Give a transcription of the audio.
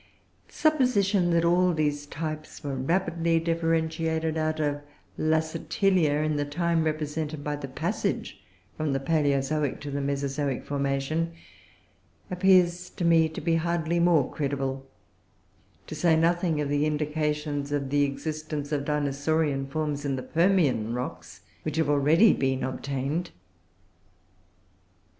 The supposition that all these types were rapidly differentiated out of Lacertilia in the time represented by the passage from the Palaeozoic to the Mesozoic formation, appears to me to be hardly more credible, to say nothing of the indications of the existence of Dinosaurian forms in the Permian rocks which have already been obtained.